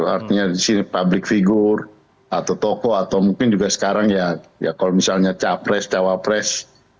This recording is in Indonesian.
artinya di sini public figure atau tokoh atau mungkin juga sekarang ya kalau misalnya capres cawapres